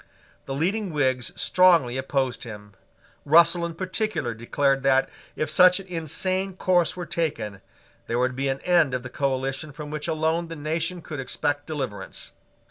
The leading Whigs strongly opposed him: Russell in particular declared that, if such an insane course were taken, there would be an end of the coalition from which alone the nation could expect deliverance.